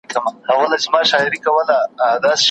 نه یې توره نه یې سپر وي جنګیالی پکښی پیدا کړي